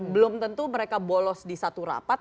belum tentu mereka bolos di satu rapat